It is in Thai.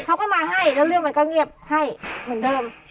เขาก็มาให้แล้วเรื่องมันก็เงียบให้เหมือนเดิม